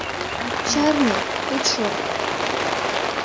Чарне, ит шорт.